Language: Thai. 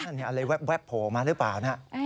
นี่อะไรแวบโผล่ออกมาหรือเปล่านะ